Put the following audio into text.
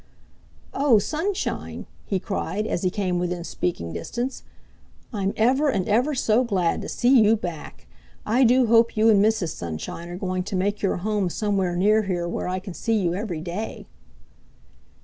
"Oh, Sunshine!" he cried, as he came within speaking distance, "I'm ever and ever so glad to see you back. I do hope you and Mrs. Sunshine are going to make your home somewhere near here where I can see you every day."